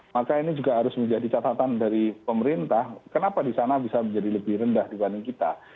maka ini juga harus menjadi catatan dari pemerintah kenapa di sana bisa menjadi lebih rendah dibanding kita